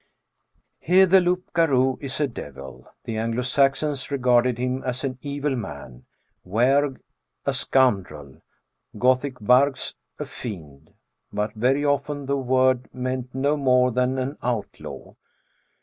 Here the loup garou is a devil. The Anglo Saxons regarded him as an evil man : wearg, a scoundrel ; Gothic vargs, a fiend. But very often the word meant no more than an outlaw.